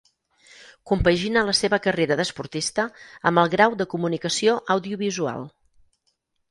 Compagina la seva carrera d'esportista amb el grau de Comunicació Audiovisual.